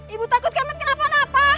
ibu takut kemet kenapa napa